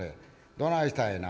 どないしたんやな？